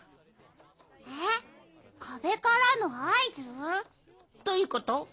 えっかべからのあいず？どういうこと？